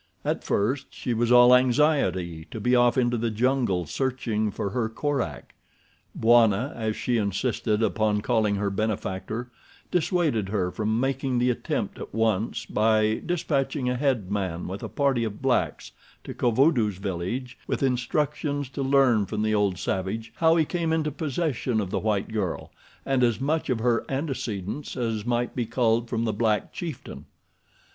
At first she was all anxiety to be off into the jungle searching for her Korak. Bwana, as she insisted upon calling her benefactor, dissuaded her from making the attempt at once by dispatching a head man with a party of blacks to Kovudoo's village with instructions to learn from the old savage how he came into possession of the white girl and as much of her antecedents as might be culled from the black chieftain.